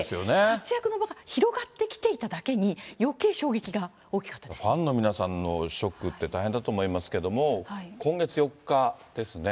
活躍の場が広がってきていただけに、よけい衝撃が大きかったファンの皆さんのショックって大変だと思いますけども、今月４日ですね。